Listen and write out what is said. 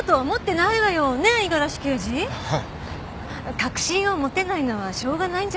確信を持てないのはしょうがないんじゃない？